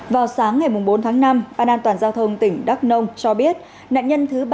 vào sáng ngày bốn tháng năm ban an toàn giao thông tỉnh đắk nông cho biết nạn nhân thứ ba